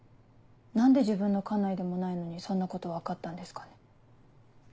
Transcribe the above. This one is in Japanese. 何で自分の管内でもないのにそんなこと分かったんですかね。